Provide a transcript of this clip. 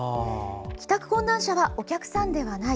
帰宅者困難者はお客さんではない。